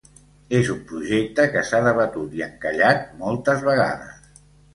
És un projecte que s’ha debatut i encallat moltes vegades.